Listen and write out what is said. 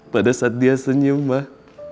pada saat dia senyum mah